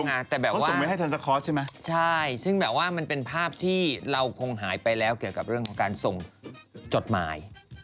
เขาส่งไว้ให้ซัลตี้คอร์สใช่ไหมนะภาพที่เราหายไปต่อมากว่าส่งจดหมาย